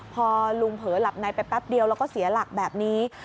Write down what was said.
พอลุงเผลอหลับในไปแป๊บเดียวแล้วก็เสียหลักแบบนี้